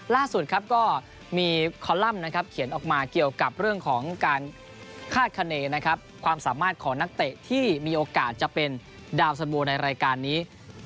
ล่าสุดครับก็มีคอลัมป์นะครับเขียนออกมาเกี่ยวกับเรื่องของการคาดคณีนะครับความสามารถของนักเตะที่มีโอกาสจะเป็นดาวสันโบในรายการนี้